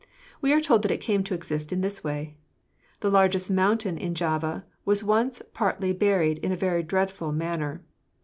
We are told that it came to exist in this way: The largest mountain in Java was once partly buried in a very dreadful manner.